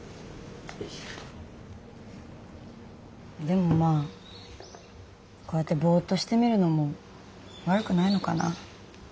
でもまあこうやってぼっとしてみるのも悪くないのかな。